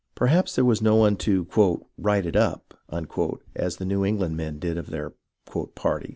Perhaps there was no one to " write it up " as the New England men did of their " party."